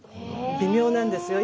微妙なんですよ。